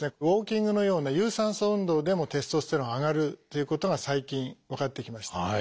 ウォーキングのような有酸素運動でもテストステロン上がるということが最近分かってきました。